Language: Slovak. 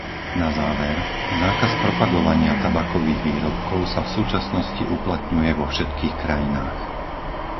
Na záver, zákaz propagovania tabakových výrobkov sa v súčasnosti uplatňuje vo všetkých krajinách.